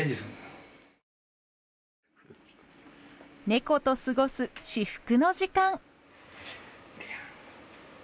猫と過ごす至福の時間。